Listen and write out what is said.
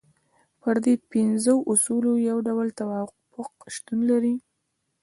پر دې پنځو اصولو یو ډول توافق شتون لري.